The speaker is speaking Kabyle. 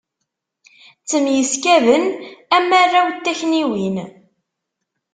Ttemyeskaden, am arraw n takniwin.